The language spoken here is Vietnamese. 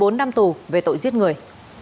một mươi bốn năm tù về tội giết người